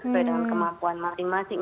sesuai dengan kemampuan masing masing